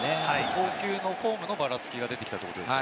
投球フォームのバラつきが出てきたということですか？